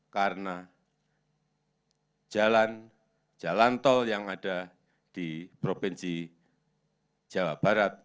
karena jalan jalan tol yang ada di provinsi jawa barat